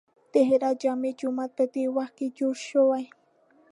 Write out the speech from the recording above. د هرات جامع جومات په دې وخت کې جوړ شوی.